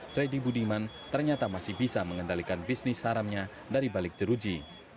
freddy budiman ternyata masih bisa mengendalikan bisnis haramnya dari balik jeruji